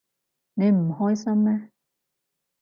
你唔開心咩？